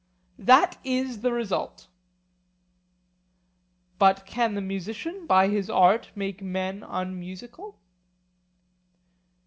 That is the result. But can the musician by his art make men unmusical?